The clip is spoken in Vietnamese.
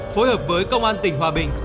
phối hợp với công an tỉnh hòa bình